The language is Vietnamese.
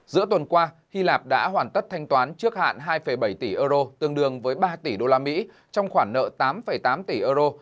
giữa tuần qua hy lạp đã hoàn tất thanh toán trước hạn hai bảy tỷ euro tương đương với ba tỷ usd trong khoản nợ tám tám tỷ euro